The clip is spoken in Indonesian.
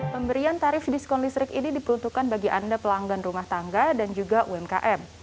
pemberian tarif diskon listrik ini diperuntukkan bagi anda pelanggan rumah tangga dan juga umkm